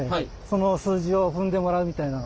その数字を踏んでもらうみたいな。